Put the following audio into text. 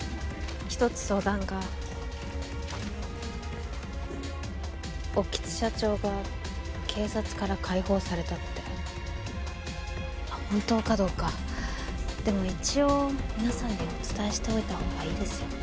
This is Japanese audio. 一つ相談が興津社長が警察から解放されたって本当かどうかでも一応皆さんにお伝えしておいたほうがいいですよね